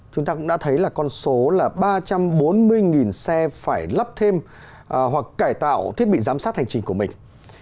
chúng ta cũng đã thấy là con số là ba trăm bốn mươi xe phải lắp thêm hoặc cải tạo thiết bị giám sát hành trình của mình